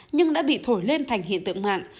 nhưng đã bị thổi lên thành hiện tượng mạng